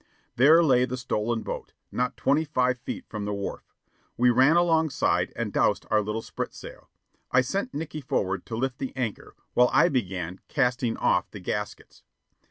There lay the stolen boat, not twenty five feet from the wharf. We ran alongside and doused our little spritsail. I sent Nickey forward to lift the anchor, while I began casting off the gaskets.